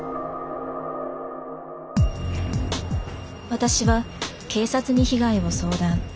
私は警察に被害を相談。